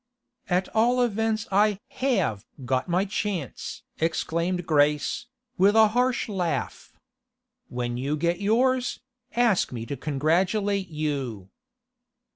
'At all events I have got my chance!' exclaimed Grace, with a harsh laugh. 'When you get yours, ask me to congratulate you.